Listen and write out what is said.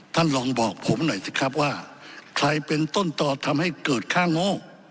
ท่านลองบอกผมหน่อยสิครับว่าใครเป็นต้นต่อทำให้เกิดค่าโง่